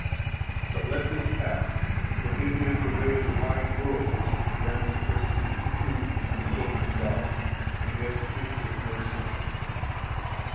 But let this pass; for it is the way of the blind world that she condemns and persecutes the truth and the children of God, and yet esteems it no sin.